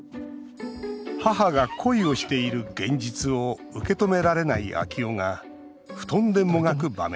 母が恋をしている現実を受け止められない昭夫が布団で、もがく場面。